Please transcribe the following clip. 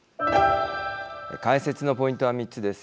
解説のポイントは３つです。